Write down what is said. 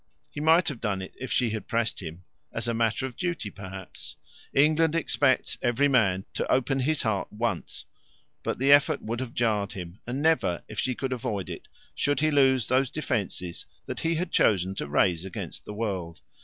He might have done it if she had pressed him as a matter of duty, perhaps; England expects every man to open his heart once; but the effort would have jarred him, and never, if she could avoid it, should he lose those defences that he had chosen to raise against the world.